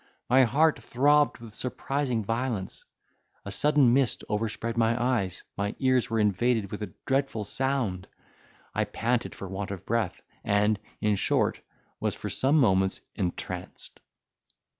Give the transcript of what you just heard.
my heart throbbed with surprising violence! a sudden mist overspread my eyes, my ears were invaded with a dreadful sound! I panted for want of breath, and, in short, was for some moments entranced!